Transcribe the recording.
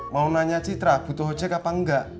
mau nanya citra butuh ojek apa enggak